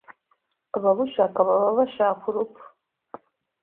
Ababushaka baba bashaka urupfu.